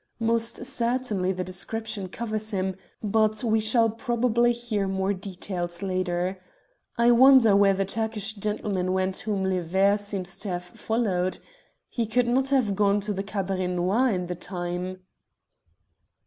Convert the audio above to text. Most certainly the description covers him, but we shall probably hear more details later. I wonder where the Turkish gentleman went whom 'Le Ver' seems to have followed. He could not have gone to the Cabaret Noir in the time?"